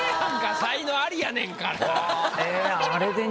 才能アリやねんから。